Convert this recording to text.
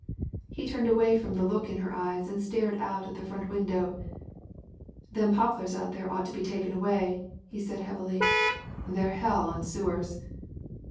He turned away from the look in her eyes and stared out of the front window. 1 'Them poplars out there ought to be taken away,' he said heavily. 'They're hell on sewers.'